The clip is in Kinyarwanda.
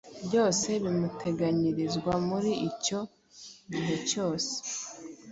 byose bimuteganyirizwa muri icyo gihe cyose